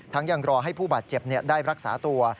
ยังรอให้ผู้บาดเจ็บได้รักษาตัว